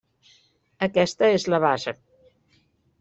Aquesta és la base.